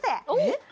えっ？